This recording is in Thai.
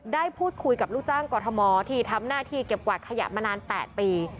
ได้พูดคุยกับลูกจ้างกอทมที่ทำหน้าที่เก็บกวาดขยะมานาน๘ปี